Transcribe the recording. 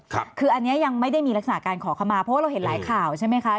คืออันนี้ยังไม่ได้มีลักษณะการขอเข้ามาเพราะว่าเราเห็นหลายข่าวใช่ไหมคะ